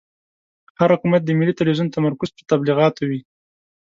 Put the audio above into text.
هر حکومت د ملي تلویزون تمرکز پر تبلیغاتو وي.